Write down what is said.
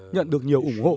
nhận được nhiều ủng hộ